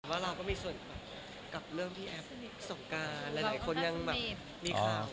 ว่าเราก็มีส่วนกับเรื่องพี่แอฟสงการหลายคนยังแบบมีข่าว